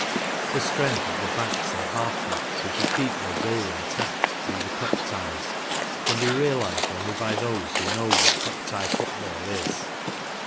The strength of the backs and half backs who could keep their goal intact right through the Cup ties can be realized only by those who know w hat Cup tie football is.